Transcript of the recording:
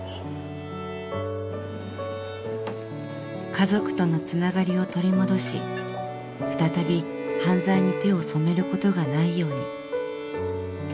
家族とのつながりを取り戻し再び犯罪に手を染めることがないように。